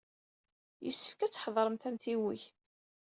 Yessefk ad tḥadremt amtiweg.